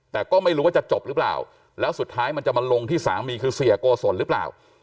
แต่ก็ไม่รู้ว่าจะจบหรือเปล่าแล้วสุดท้ายมันจะมาลงที่สามีคือเสียโกศลหรือเปล่า